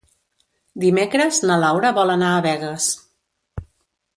Dimecres na Laura vol anar a Begues.